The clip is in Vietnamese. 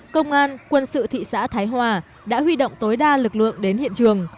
công an quân sự thị xã thái hòa đã huy động tối đa lực lượng đến hiện trường